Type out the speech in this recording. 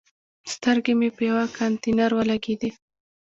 سترګې مې په یوه کانتینر ولګېدې.